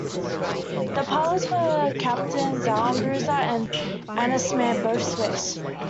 The pilots were Captains Armbruster and Ansermier, both Swiss.